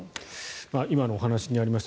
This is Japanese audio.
今のお話にありました